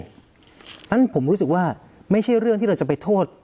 เพราะฉะนั้นผมรู้สึกว่าไม่ใช่เรื่องที่เราจะไปโทษ